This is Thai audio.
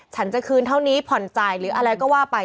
ฉันจะคืนเท่านี้ผ่อนจ่ายหรืออะไรก็ว่าไป